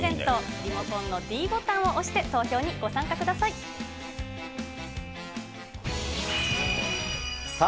リモコンのｄボタンを押して、投票にご参加ください。